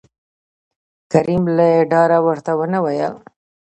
کريم له ډاره ورته ونه ويل